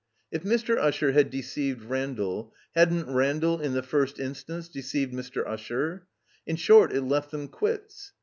If Mr. Usher had deceived Randall, hadn't Randall, in the first instance, de ceived Mr. Usher? In short, it left them quits.